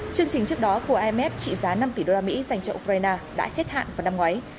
chương trình trước đó của imf trị giá năm tỷ đô la mỹ dành cho ukraine đã hết hạn vào năm ngoái